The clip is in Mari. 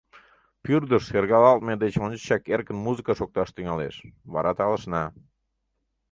Пӱрдыш шергалалтме деч ончычак эркын музыка шокташ тӱҥалеш, вара талышна.